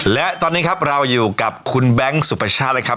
และตอนนี้ครับเราอยู่กับคุณแบงค์สุปชาติเลยครับ